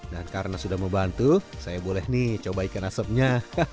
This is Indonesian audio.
dan karena sudah membantu saya boleh nih coba ikan asapnya